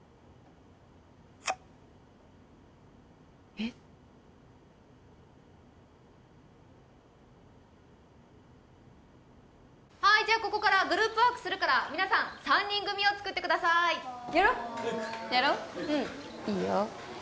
えっはいじゃあここからグループワークするから皆さん３人組をつくってくださーいやろやろうんいいよ